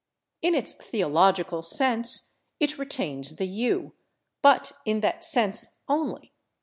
In its theological sense it retains the /u/; but in that sense only.